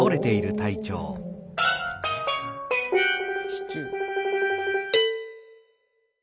「シチュー」。